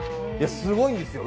すごいんですよ。